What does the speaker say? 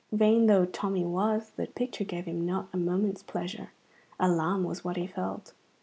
Vain though Tommy was, the picture gave him not a moment's pleasure. Alarm was what he felt.